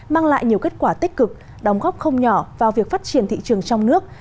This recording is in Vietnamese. mang lại nhiều kết quả tích cực đóng góp không nhỏ vào việc phát triển thị trường trong nước